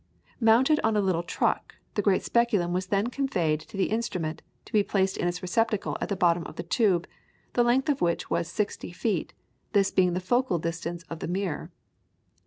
Mounted on a little truck, the great speculum was then conveyed to the instrument, to be placed in its receptacle at the bottom of the tube, the length of which was sixty feet, this being the focal distance of the mirror.